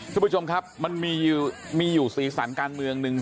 คุณผู้ชมครับมันมีอยู่สีสันการเมืองหนึ่ง